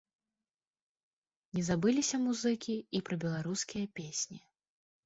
Не забыліся музыкі і пра беларускія песні.